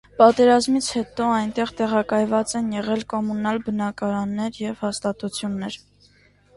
Պատերազմից հետո այնտեղ տեղակայված են եղել կոմունալ բնակարաններ և հաստատություններ։